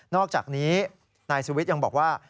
อกจากนี้นายสุวิทย์ยังบอกว่า